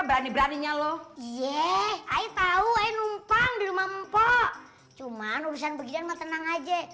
berani beraninya lo ye ayo tahu ayo numpang di rumah mpo cuman urusan begini mah tenang aja